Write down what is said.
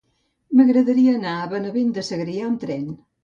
M'agradaria anar a Benavent de Segrià amb tren.